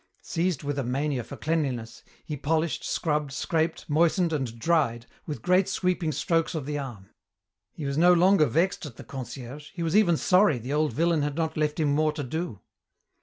Seized with a mania for cleanliness, he polished, scrubbed, scraped, moistened, and dried, with great sweeping strokes of the arm. He was no longer vexed at the concierge; he was even sorry the old villain had not left him more to do.